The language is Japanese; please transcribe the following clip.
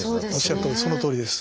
そのとおりです。